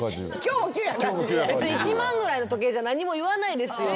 別に１万ぐらいの時計じゃ何も言わないですよ